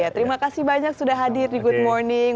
terima kasih banyak sudah hadir di good morning